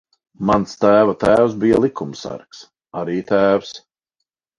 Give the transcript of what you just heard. Mans tēva tēvs bija likumsargs. Arī tēvs.